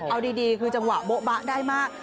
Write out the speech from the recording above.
เอาดีคือจังหวะโบ๊ะบะได้มาก